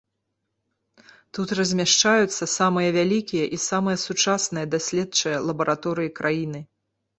Тут размяшчаюцца самыя вялікія і самыя сучасныя даследчыя лабараторыі краіны.